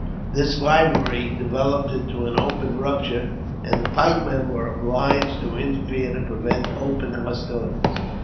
This rivalry developed into an open rupture, and the pipe men were obliged to interfere to prevent open hostilities.